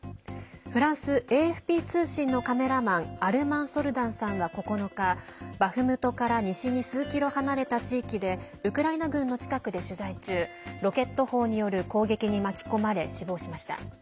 フランスＡＦＰ通信のカメラマンアルマン・ソルダンさんは９日バフムトから西に数キロ離れた地域でウクライナ軍の近くで取材中ロケット砲による攻撃に巻き込まれ死亡しました。